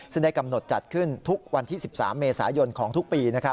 ซึ่งได้กำหนดจัดขึ้นทุกวันที่๑๓เมษายนของทุกปี